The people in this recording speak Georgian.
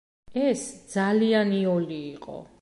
ეს ძალიან იოლი იყო.